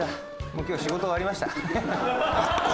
もう今日仕事終わりました。